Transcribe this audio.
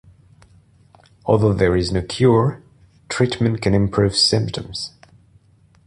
Although there is no cure, treatment can improve symptoms.